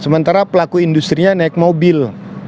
sementara pelaku industri nya naik mobil